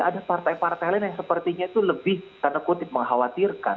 ada partai partai lain yang sepertinya itu lebih tanda kutip mengkhawatirkan